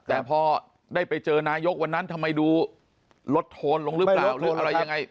แต่พอได้ไปเจอนายกวันนั้นทำไมดูลดโทนลงหรือเปล่าหรืออะไรยังไง